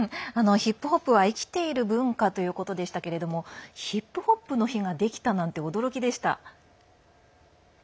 ヒップホップは生きている文化ということでしたがヒップホップの日ができたなんて驚きでした。